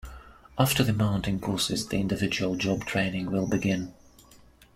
After the mountain courses the individual job training will begin.